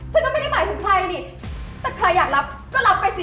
ฉันก็ไม่ได้หมายถึงใครนี่แต่ใครอยากรับก็รับไปสิ